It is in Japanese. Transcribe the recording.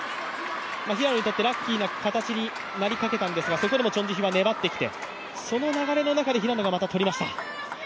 平野にとってラッキーな形になりかけたんですが、それでもチョン・ジヒは粘ってきてその流れの中で、平野がまた取りました。